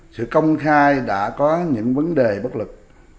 sự công khai đã có những vấn đề bất lực